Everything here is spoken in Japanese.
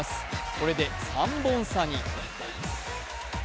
これで３本差に。